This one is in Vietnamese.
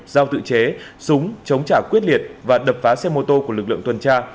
giao tự chế súng chống trả quyết liệt và đập phá xe mô tô của lực lượng tuần tra